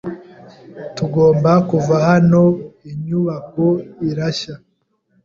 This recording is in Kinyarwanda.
Tugomba kuva hano. Inyubako irashya.